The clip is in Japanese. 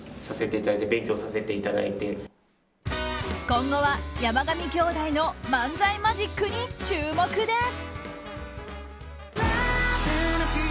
今後は山上兄弟の漫才マジックに注目です。